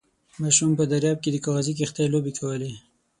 ماشوم په درياب کې د کاغذي کښتۍ لوبې کولې.